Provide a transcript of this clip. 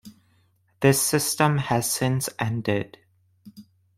This system has since ended.